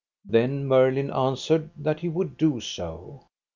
Then Merlin answered that he would do so.